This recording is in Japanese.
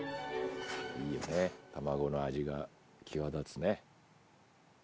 いい茲卵の味が際立つね。